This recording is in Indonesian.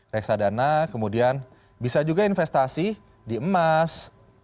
reksadana kemudian bisa juga investasi di emas